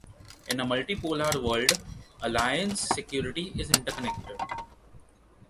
In a multipolar world, alliance security is interconnected.